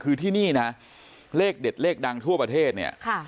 คือที่นี่นะเลขเด็ดเลขดังทั่วประเทศเนี่ย